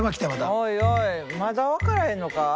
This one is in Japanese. おいおいまだ分からへんのか？